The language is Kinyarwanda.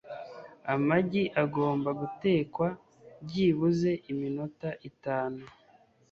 Amagi agomba gutekwa byibuze iminota itanu.